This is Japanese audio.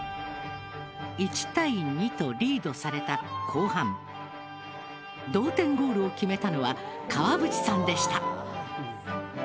１対２とリードされた後半同点ゴールを決めたのは川淵さんでした。